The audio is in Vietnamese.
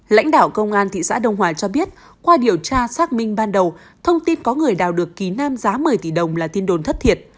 lãnh đạo công an thị xã đông hòa cho biết qua điều tra xác minh ban đầu thông tin có người đào được ký nam giá một mươi tỷ đồng là tin đồn thất thiệt